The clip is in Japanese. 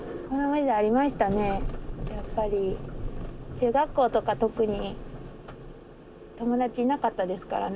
中学校とか特に友達いなかったですからね。